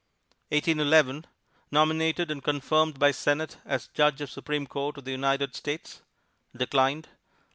1811 Nominated and confirmed by Senate as Judge of Supreme Court of the United States; declined.